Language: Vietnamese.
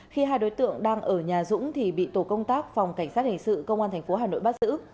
khi hai đối tượng đang ở nhà dũng thì bị tổ công tác phòng cảnh sát hành sự công an thành phố hà nội bắt giữ